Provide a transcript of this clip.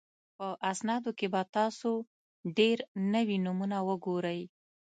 په اسنادو کې به تاسو ډېر نوي نومونه وګورئ.